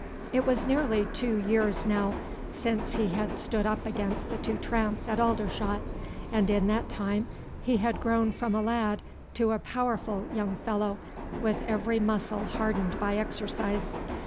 It was nearly two years now since he had stood up against the two tramps at Aldershot, and in that time he had grown from a lad to a powerful young fellow, with every muscle hardened by exercise.